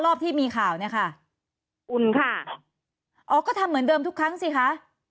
รอบที่มีข่าวเนี่ยค่ะอุ่นค่ะอ๋อก็ทำเหมือนเดิมทุกครั้งสิคะ